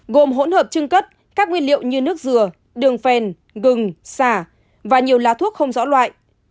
gồm hỗn hợp trưng cất các nguyên liệu như nước dừa đường phèn gừng xả và nhiều lá thuốc không rõ loại